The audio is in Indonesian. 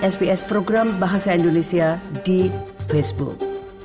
sps program bahasa indonesia di facebook